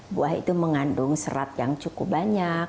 buah itu mengandung serat yang cukup banyak